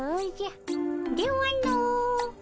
ではの。